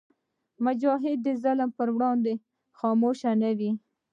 مجاهد د ظلم پر وړاندې خاموش نه وي.